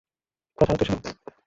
কথা তো শোনো?